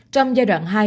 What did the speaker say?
trong giai đoạn hai